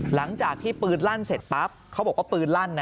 หลังจากที่ปืนลั่นเสร็จปั๊บเขาบอกว่าปืนลั่น